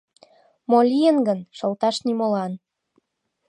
— Мо лийын гын, шылташ нимолан!